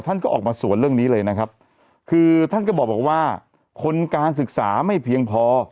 ท่านก็ออกมาสวนเรื่องนี้เลยนะครับคือท่านก็บอกว่าคนการศึกษาไม่เพียงพอ